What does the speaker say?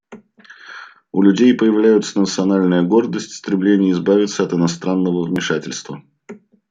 У людей проявляются национальная гордость, стремление избавиться от иностранного вмешательства.